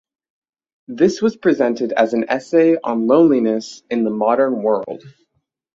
This was presented as an essay on loneliness in the modern world.